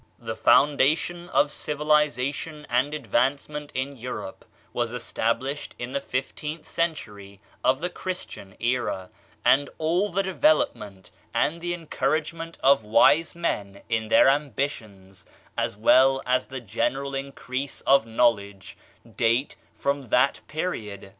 The foundation of civilization and advance ment in Europe was established in the fifteenth century oi the Christian era; and all the develop ment and the encouragement of wise men in their ambitions, as well as the general increase of knowledge, date from that period.